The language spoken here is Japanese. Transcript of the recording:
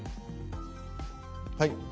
はい。